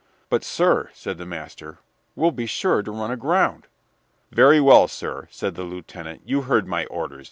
"But, sir," said the master, "we'll be sure to run aground." "Very well, sir," said the lieutenant, "you heard my orders.